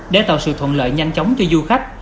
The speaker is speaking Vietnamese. để tạo sự thuận lợi nhanh chóng cho du khách